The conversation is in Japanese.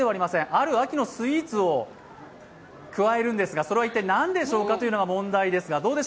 ある秋のスイーツを加えるんですがそれは一体何でしょうかというのが問題です。